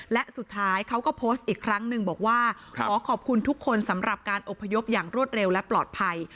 และสุดท้ายเขาก็โพสต์อีกครั้งหนึ่งบอกว่าขอขอบคุณทุกคนสำหรับการอบพยพอย่างรวดเร็วและปลอดภัย